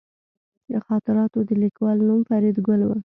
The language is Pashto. د خاطراتو د لیکوال نوم فریدګل و